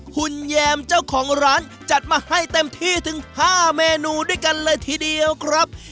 คุณแยมเจ้าของร้านจัดมาให้เต็มที่ถึง๕เมนูด้วยกันเลยทีเดียวครับ